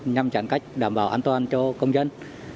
nhằm giãn cách đảm bảo an toàn cho công dân